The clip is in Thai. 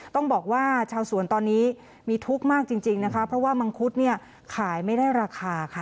ต้องบอกว่าชาวสวนตอนนี้มีทุกข์มากจริงนะคะเพราะว่ามังคุดเนี่ยขายไม่ได้ราคาค่ะ